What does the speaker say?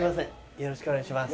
よろしくお願いします。